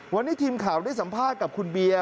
วันนี้ทีมข่าวได้สัมภาษณ์กับคุณเบียร์